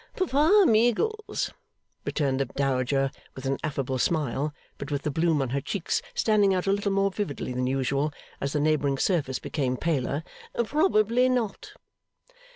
'Papa Meagles,' returned the Dowager, with an affable smile, but with the bloom on her cheeks standing out a little more vividly than usual as the neighbouring surface became paler, 'probably not.